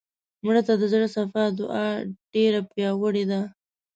مړه ته د زړه صفا دعا ډېره پیاوړې ده